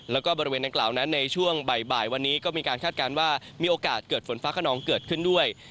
และบริเวณนั้นกล่าวในช่วงบ่ายวันนี้ก็มีคาดการณ์ว่ามีโอกาสเกิดฝนฟ้าข้าน้องเกิดขึ้นด้วย